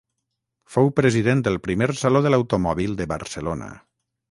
Fou president del primer Saló de l'Automòbil de Barcelona.